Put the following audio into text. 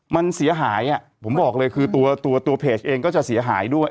มันเสียหายผมบอกเลยคือตัวตัวเพจเองก็จะเสียหายด้วย